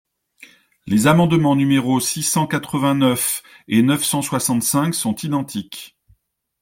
Les amendements numéros six cent quatre-vingt-neuf et neuf cent soixante-cinq sont identiques.